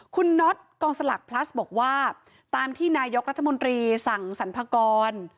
คุณน็อตกองสลักพลัสบอกว่าตามที่นายกรัฐมนตรีสั่งสรรพากร